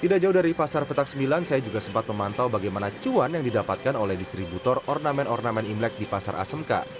tidak jauh dari pasar petak sembilan saya juga sempat memantau bagaimana cuan yang didapatkan oleh distributor ornamen ornamen imlek di pasar asmk